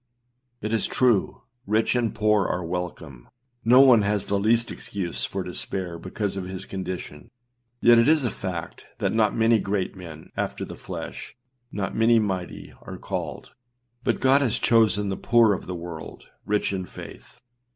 It is true, rich and poor are welcome; no one has the least excuse for despair because of his condition; yet it is a fact that ânot many great men,â after the flesh, ânot many mighty,â are called, but âGod hath chosen the poor of this world â rich in faith.